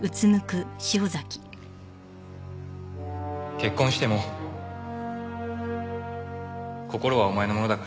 結婚しても心はお前のものだから。